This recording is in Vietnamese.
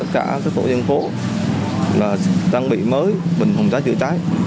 cả các khu dân phố trang bị mới bình hồn cháy chữa cháy